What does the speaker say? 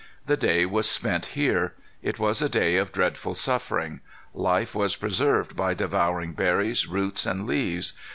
The day was spent here. It was a day of dreadful suffering. Life was preserved by devouring berries, roots, and leaves.